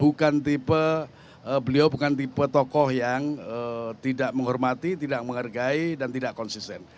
bukan tipe beliau bukan tipe tokoh yang tidak menghormati tidak menghargai dan tidak konsisten